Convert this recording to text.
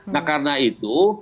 nah karena itu